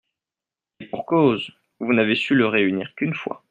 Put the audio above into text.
Et pour cause, vous n’avez su le réunir qu’une fois.